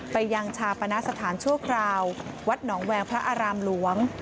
ไปยังชาปณสถานชั่วคราววัดหนองแวงพระอารามหลวง